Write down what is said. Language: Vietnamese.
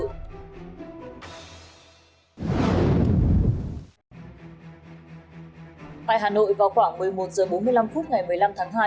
tại hà nội vào khoảng một mươi một h bốn mươi năm phút ngày một mươi năm tháng hai